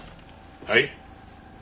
はい？